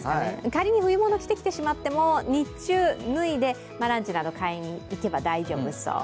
仮に冬もの着てしまっても日中、脱いでランチなど買いに行ってもよさそう。